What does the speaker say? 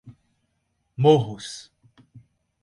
Morros